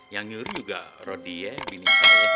yang nyuri juga rodi ya bilik saya